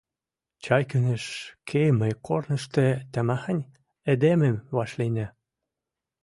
Чайкиныш кемӹ корнышты тамахань эдемӹм вӓшлиннӓ.